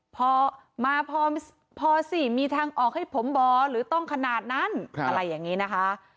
พอมาพอสิมีทางออกให้ผมบ่หรือต้องขนาดนั้นอะไรอย่างนี้นะคะ